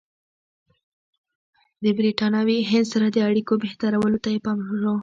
د برټانوي هند سره د اړیکو بهترولو ته یې پام شو.